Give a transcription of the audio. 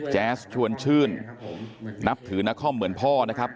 แจ๊สชวนชื่นนับถือนครเหมือนพ่อนะครับ